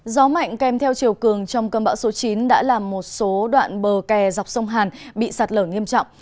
gió mạnh kèm theo chiều cường trong cơn bão số chín đã làm một số đoạn bờ kè dọc sông hàn bị sạt lở nghiêm trọng